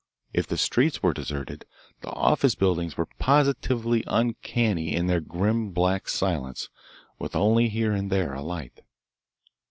If the streets were deserted, the office buildings were positively uncanny in their grim, black silence with only here and there a light.